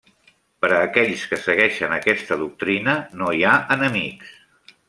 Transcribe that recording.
Per a aquells que segueixen aquesta doctrina, no hi ha enemics.